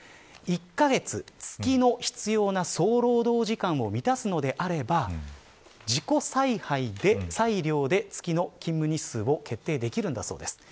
１カ月、月の必要な総労働時間を満たすのであれば自己裁量で月の勤務日数を決定できるんだそうです。